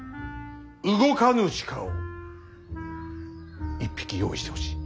動かぬ鹿を１匹用意してほしい。